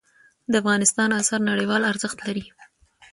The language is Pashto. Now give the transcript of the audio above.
د افغانستان آثار نړیوال ارزښت لري.